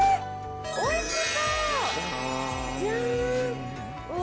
おいしそう。